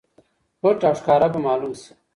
پټ او ښکاره به معلوم شي.